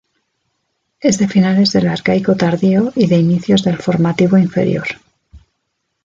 Es de finales del arcaico tardío y de inicios del formativo inferior.